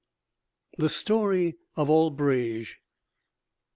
THE STORY OF ALBREGE.